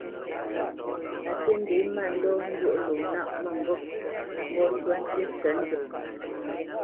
A tə́ ndě mándɔ njwóʼ lo nâʼ mə̂ŋgôp ŋgɔ́ ntwá ntí ntsəndyâ.